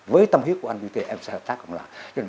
với tâm huyết của anh em sẽ hợp tác cùng làm